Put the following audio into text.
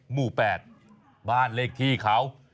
หมู่๘บ้านเลขที่เขา